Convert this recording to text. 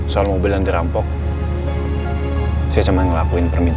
saya tau papa udah ngelakuin yang terbaik